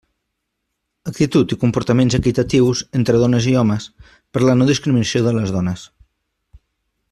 Actitud i comportaments equitatius entre dones i homes para la no-discriminació de les dones.